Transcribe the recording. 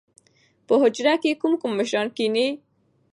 په حجره کښې کوم کوم مشران کښېني؟